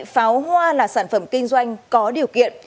pháo hoa là sản phẩm kinh doanh có điều kiện